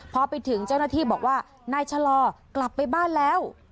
พอไปถึงเจ้าหน้าที่บอกว่านายชะลอกลับไปบ้านแล้ว